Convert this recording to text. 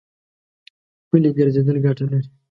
پلي ګرځېدل ګټه لري.